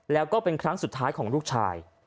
แล้วก็เป็นครั้งสุดท้ายของลูกชาย